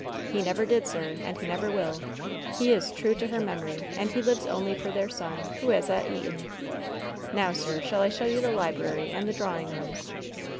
"He never did, sir, and he never will. He is true to her memory, and he lives only for their son, who is at Eton. Now, sir, shall I show you the library and the drawing rooms?"